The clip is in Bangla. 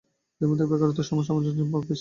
এঁদের মধ্যে বেকারত্বের হার সামঞ্জস্যহীনভাবে বেশি।